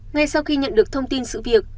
ngay sau khi nhận được thông tin sự việc